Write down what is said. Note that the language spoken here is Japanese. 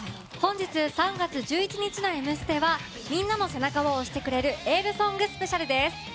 本日３月１１日の「Ｍステ」はみんなの背中を押してくれるエールソングスペシャルです。